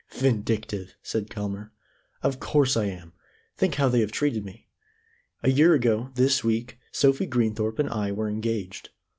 "Vindictive!" said Kelmare, "of course I am; think how they have treated me. A year ago, this week, Sophie Greenthorpe and I were engaged.